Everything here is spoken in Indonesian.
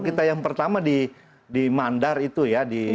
kita yang pertama di mandar itu ya